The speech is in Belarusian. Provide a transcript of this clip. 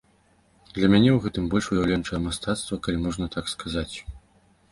Для мяне у гэтым больш выяўленчага мастацтва, калі можна так сказаць.